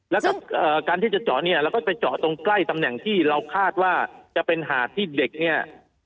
แล้วก็การที่จะเจาะเนี่ยเราก็ไปเจาะตรงใกล้ตำแหน่งที่เราคาดว่าจะเป็นหาดที่เด็กเนี่ย